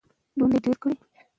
که فارمونه جوړ شي عاید به زیات شي.